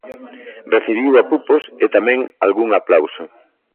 Recibiu apupos e tamén algún aplauso.